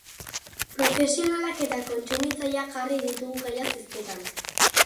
Profesionalak eta kontsumitzaileak jarri ditugu gaiaz hizketan.